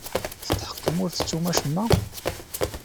Tetḥeqqem ur tettum acemma?